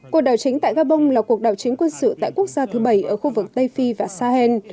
cuộc đảo chính tại gabon là cuộc đảo chính quân sự tại quốc gia thứ bảy ở khu vực tây phi và sahel